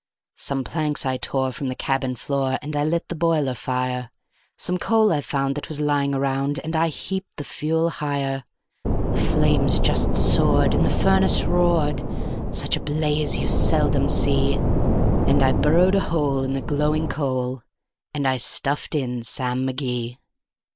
Some planks I tore from the cabin floor, and I lit the boiler fire; Some coal I found that was lying around, and I heaped the fuel higher; The flames just soared, and the furnace roared such a blaze you seldom see; And I burrowed a hole in the glowing coal, and I stuffed in Sam McGee.